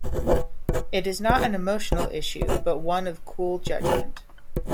It is not an emotional issue but one of cool judgment.